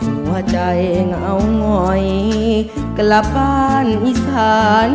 หัวใจเหงาหงอยกลับบ้านอีสาน